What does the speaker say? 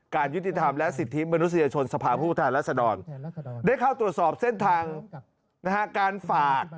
การยุติธรรมและสิทธิบนุษยชนสภาพุทธหลักษณะได้เข้าตรวจสอบเส้นทางนะฮะ